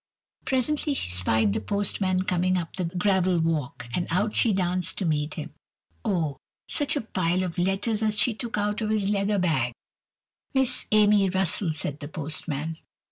Presently she spied the postman coming up the gravel walk, and out she danced to meet him. Oh! such a pile of letters as he took out of his leather bag. "Miss Amy Russell?" said the postman.